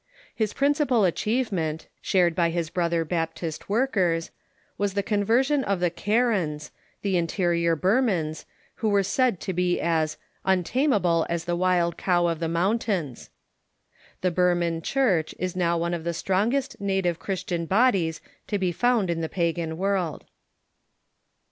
His principal achievement, shared by his brother Bap tist workers, was the conversion of the Karens, the interior Bur mans, who Avere said to be as " untamable as the wild cow of the mountains." The Burman Church is now one of the strongest native Christian bodies to be found in the pagan world.